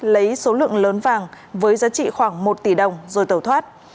lấy số lượng lớn vàng với giá trị khoảng một tỷ đồng rồi tẩu thoát